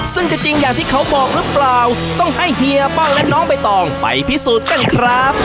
ซึ่งจะจริงอย่างที่เขาบอกหรือเปล่าต้องให้เฮียป้องและน้องใบตองไปพิสูจน์กันครับ